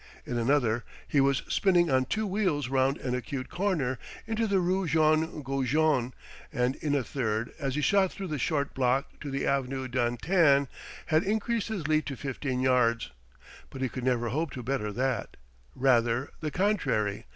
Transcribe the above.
In another he was spinning on two wheels round an acute corner, into the rue Jean Goujon; and in a third, as he shot through that short block to the avenue d'Antin, had increased his lead to fifteen yards. But he could never hope to better that: rather, the contrary.